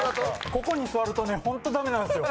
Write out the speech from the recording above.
ここに座るとねホント駄目なんすよ。